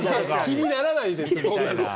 気にならないですよ！